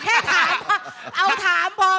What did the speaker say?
ที่จะเป็นความสุขของชาวบ้าน